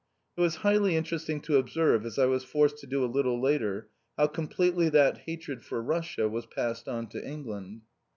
It was highly interesting to observe as I was forced to do a little later, how completely that hatred for Russia was passed on to England.